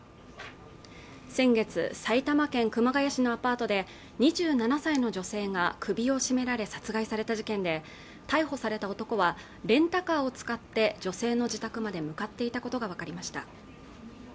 先月埼玉県熊谷市のアパートで２７歳の女性が首を絞められ殺害された事件で逮捕された男はレンタカーを使って女性の自宅まで向かっていたことが分かりました